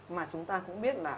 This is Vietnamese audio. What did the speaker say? mà chúng ta cũng biết là